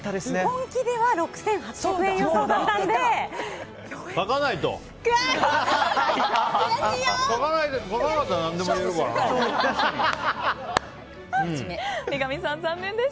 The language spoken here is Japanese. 本気では６８００円予想だったので。